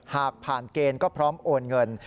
หากผ่านเกณฑ์ก็พร้อมโอนเงิน